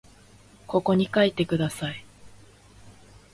ここに書いてください